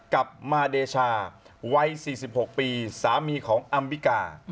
กับมาเดชาวัย๔๖ปีสามีของอัมบิกา